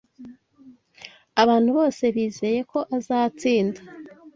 Abantu bose bizeye ko azatsinda.